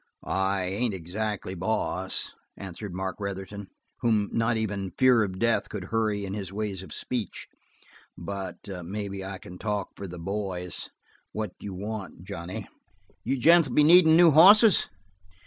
"I ain't exactly boss," answered Mark Retherton, whom not even fear of death could hurry in his ways of speech, "but maybe I can talk for the boys. What you want, Johnny?" "You gents'll be needin' new hosses?"